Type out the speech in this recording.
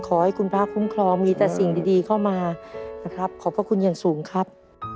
ขอให้คุณพระคุ้มครองมีแต่สิ่งดีเข้ามานะครับขอบพระคุณอย่างสูงครับ